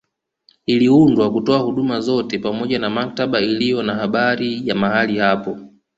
Iliundwa kutoa huduma zote pamoja na maktaba iliyo na habari ya mahali hapo